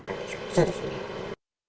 そうですね。